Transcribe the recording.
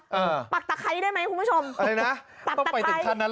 เออปักตะไคร้ได้ไหมคุณผู้ชมอะไรนะตะตะไคร้ต้องไปถึงท่านั้นเหรอ